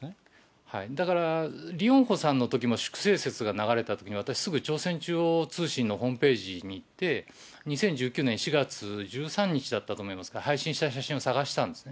だから、リ・ヨンホさんのときも、粛清説が流れたときに私すぐ、朝鮮中央通信のホームページにいって、２０１９年４月１３日だったと思いますが、配信した写真を探したんですね。